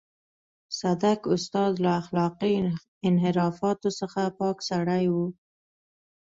صدک استاد له اخلاقي انحرافاتو څخه پاک سړی و.